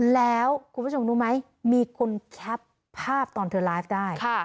แล้วคุณผู้ชมรู้ไหมมีคนแคปภาพตอนเธอไลฟ์ได้